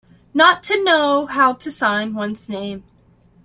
Not to know how to sign one's name.